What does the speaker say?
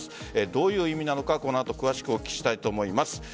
どういう意味なのかこの後詳しくお聞きしたいと思います。